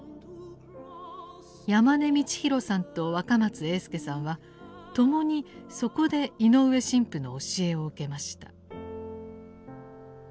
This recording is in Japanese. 山根道公さんと若松英輔さんは共にそこで井上神父の教えを受けました。